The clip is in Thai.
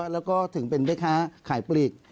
แล้วก็ถึงเป็นแม่ค้าขายปลีก